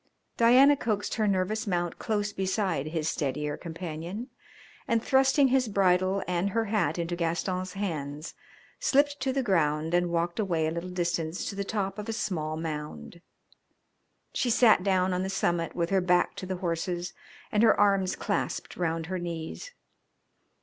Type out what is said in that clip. Diana coaxed her nervous mount close beside his steadier companion, and, thrusting his bridle and her hat into Gaston's hands, slipped to the ground and walked away a little distance to the top of a small mound. She sat down on the summit with her back to the horses and her arms clasped round her knees.